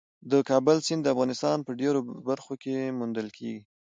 د کابل سیند د افغانستان په ډېرو برخو کې موندل کېږي.